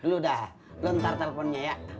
lu udah lo ntar teleponnya ya